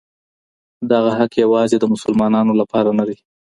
دغه حق یوازې د مسلمانانو لپاره نه دی.